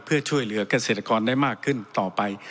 เพื่อช่วยเหลือกเกษตรกรได้มากขึ้นต่อไป